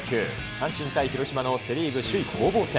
阪神対広島のセ・リーグ首位攻防戦。